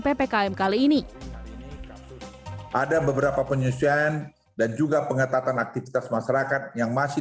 ppkm kali ini ada beberapa penyusuan dan juga pengetatan aktivitas masyarakat yang masih